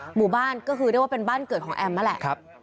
หมู่บ้านก็คือเรียกว่าเป็นบ้านเกิดของแอมนั่นแหละ